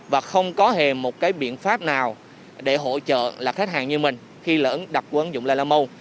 và không có hề một cái biện pháp nào để hỗ trợ là khách hàng như mình khi lỡ đặt của ứng dụng lalamu